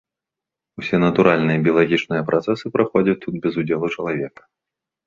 Усе натуральныя біялагічныя працэсы праходзяць тут без удзелу чалавека.